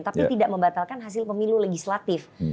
tapi tidak membatalkan hasil pemilu legislatif